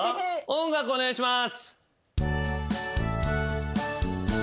音楽お願いします。